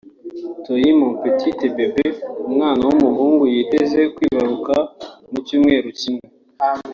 Toi Mon Petit Bebe” umwana w’umuhungu yiteze kwibaruka mu cyumweru kimwe